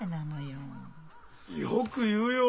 よく言うよ。